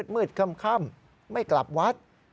มืดค่ำไม่กลับวัด